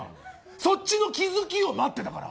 そっちの気づきを待ってたから。